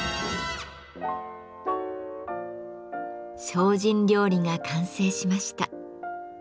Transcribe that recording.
精進料理が完成しました。